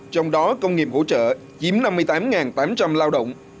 trong đó công nghiệp hỗ trợ chiếm năm mươi tám tám trăm linh lao động